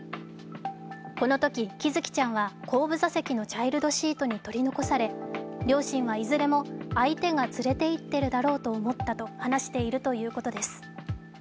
このとき、喜寿生ちゃんは後部座席のチャイルドシートに取り残され、両親はいずれも、相手が連れていっているだろうと思ったと話しているということです。